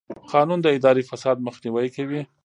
قانون د اداري فساد مخنیوی کوي.